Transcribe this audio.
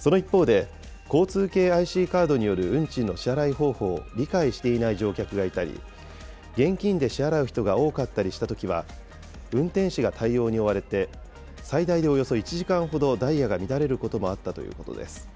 その一方で、交通系ＩＣカードによる運賃の支払い方法を理解していない乗客がいたり、現金で支払う人が多かったりしたときは、運転士が対応に追われて、最大でおよそ１時間ほどダイヤが乱れることもあったということです。